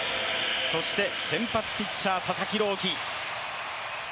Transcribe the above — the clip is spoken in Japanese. そして先発ピッチャー佐々木朗希。